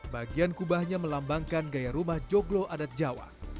bagian kubahnya melambangkan gaya rumah joglo adat jawa